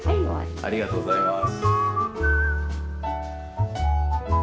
ありがとうございます。